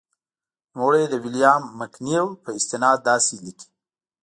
نوموړی د ویلیام مکنیل په استناد داسې لیکي.